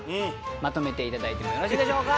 まとめていただいてもよろしいでしょうか？